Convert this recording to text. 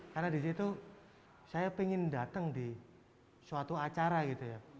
karena disitu saya ingin datang di suatu acara gitu ya